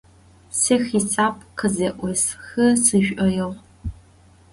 Сэ хьисап къызэӏусхы сшӏоигъу.